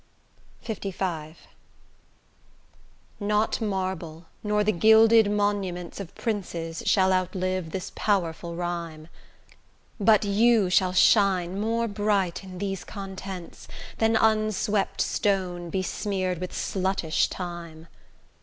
LV Not marble, nor the gilded monuments Of princes, shall outlive this powerful rhyme; But you shall shine more bright in these contents Than unswept stone, besmear'd with sluttish time.